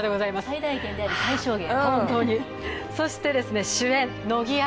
最大限であり最小限。